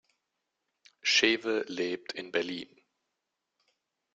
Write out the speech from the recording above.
Scheve lebt in Berlin.